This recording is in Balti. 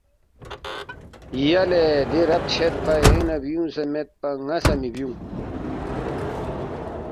یلے دی رب چھدفا یینگ نہ بیُونگسےمیدپا ن٘ا سہ مِہ بیُونگ